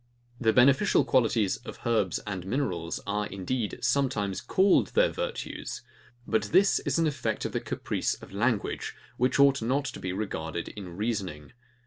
The beneficial qualities of herbs and minerals are, indeed, sometimes called their VIRTUES; but this is an effect of the caprice of language, which out not to be regarded in reasoning.